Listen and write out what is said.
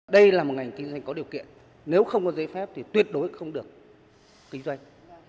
đây là một ngành kinh doanh có điều kiện nếu không có giấy phép thì tuyệt đối không được kinh doanh